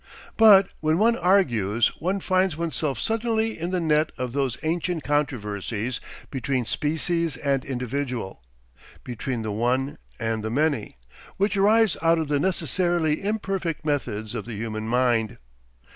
But when one argues, one finds oneself suddenly in the net of those ancient controversies between species and individual, between the one and the many, which arise out of the necessarily imperfect methods of the human mind.